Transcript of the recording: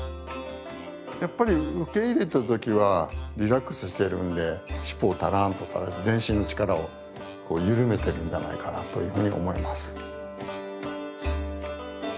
やっぱり受け入れてる時はリラックスしてるんでしっぽをたらんと垂らして全身の力を緩めてるんじゃないかなというふうに思います。